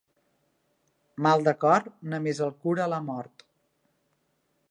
Mal de cor només el cura la mort.